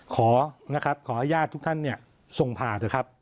ขอนะครับขอให้ญาติทุกท่านเนี่ยส่งผ่าเถอะครับ